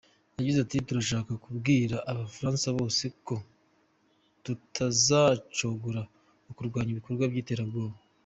Yagize ati “Turashaka kubwira Abafaransa bose ko tutazacogora ku kurwanya ibikorwa by’iterabwoba.